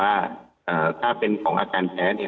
ว่าถ้าเป็นของอาการแพ้เนี่ย